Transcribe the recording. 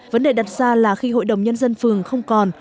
vấn đề đặt ra là khi hội đồng nhân dân phường không còn